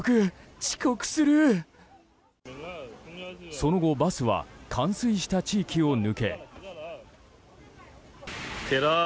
その後、バスは冠水した地域を抜け。